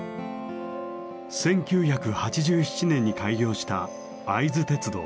１９８７年に開業した会津鉄道。